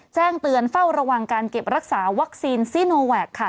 แจ้งเตือนเฝ้าระวังการเก็บรักษาวัคซีนซีโนแวคค่ะ